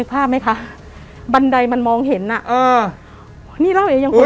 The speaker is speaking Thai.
ภาพไหมคะบันไดมันมองเห็นอ่ะออกนี่เล่าให้อีกเอ๋